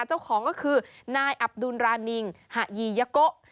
เจ้าของก็คือนายอับดุลรานิงหะยียโกะ